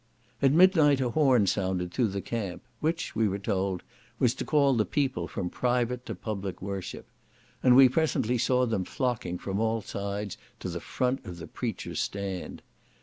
At midnight a horn sounded through the camp, which, we were told, was to call the people from private to public worship; and we presently saw them flocking from all sides to the front of the preachers' stand.